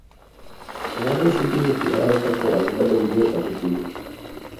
މާލެ ސިޓީގެ ފިހާރަތަކުން އަގުބަލަންޖެހޭ ތަކެތީގެ